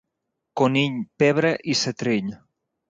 Conill, pebre i setrill.